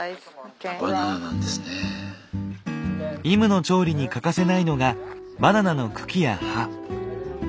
イムの調理に欠かせないのがバナナの茎や葉。